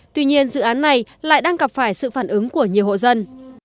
tuy nhiên dự án này lại đang gặp phải sự phản ứng của nhiều hộ dân